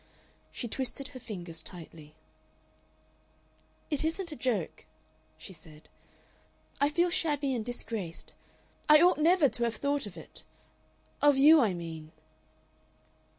She twisted her fingers tightly. "It isn't a joke," she said. "I feel shabby and disgraced.... I ought never to have thought of it. Of you, I mean...."